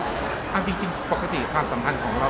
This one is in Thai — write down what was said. พิมพราบจริงปกติความสำคัญของเรา